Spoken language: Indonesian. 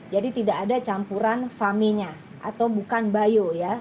jadi tidak ada campuran fem nya atau bukan bio